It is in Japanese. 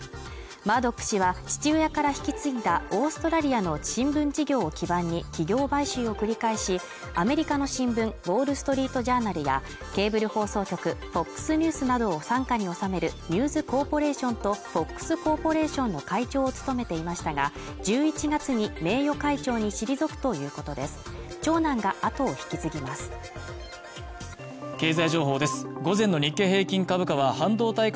マードック氏は父親から引き継いだオーストラリアの新聞事業を基盤に企業買収を繰り返しアメリカの新聞「ウォール・ストリート・ジャーナル」やケーブル放送局 ＦＯＸ ニュースなどを傘下におさめるニューズ・コーポレーションと ＦＯＸ コーポレーションの会長を務めていましたが新エッセンスでもっと届きやすく完成！